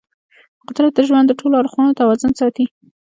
قدرت د ژوند د ټولو اړخونو توازن ساتي.